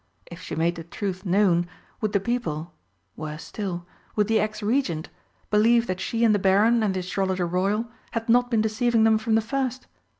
If she made the truth known, would the people worse still, would the ex Regent believe that she and the Baron and the Astrologer Royal had not been deceiving them from the first?